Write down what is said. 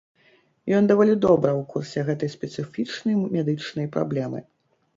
Ён даволі добра ў курсе гэтай спецыфічнай медычнай праблемы.